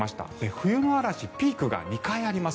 冬の嵐、ピークが２回あります。